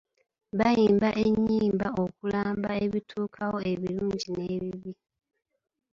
Bayimba ennyimba okulamba ebituukawo ebirungi n'ebibi.